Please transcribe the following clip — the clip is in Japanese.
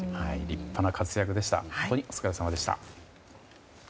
立派な活躍でしたお疲れさまでした。